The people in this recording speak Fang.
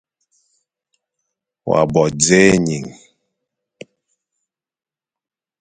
Wa bo dzé ening.